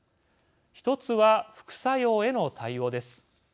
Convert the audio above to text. １つは副作用への対応です。